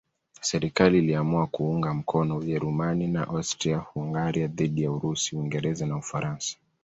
Serikali iliamua kuunga mkono Ujerumani na Austria-Hungaria dhidi ya Urusi, Uingereza na Ufaransa.